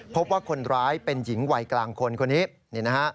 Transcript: พบว่าคนร้ายเป็นหญิงวัยกลางคนคนนี้นี่นะฮะ